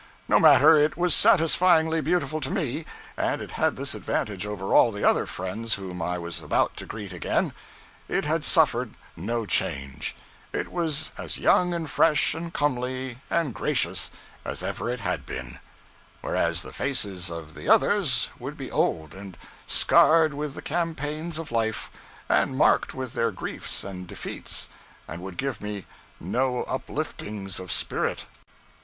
No matter, it was satisfyingly beautiful to me, and it had this advantage over all the other friends whom I was about to greet again: it had suffered no change; it was as young and fresh and comely and gracious as ever it had been; whereas, the faces of the others would be old, and scarred with the campaigns of life, and marked with their griefs and defeats, and would give me no upliftings of spirit.